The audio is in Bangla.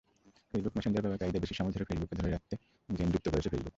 ফেসবুক মেসেঞ্জার ব্যবহারকারীদের বেশি সময় ধরে মেসেঞ্জারে ধরে রাখতে গেম যুক্ত করেছে ফেসবুক।